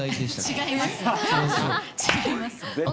違います。